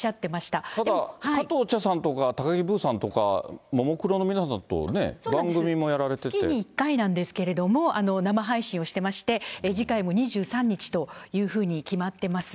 ただ、加藤茶さんとか、高木ブーさんとか、ももクロの皆さん月に１回なんですけど、生配信をしてまして、次回も２３日というふうに決まってます。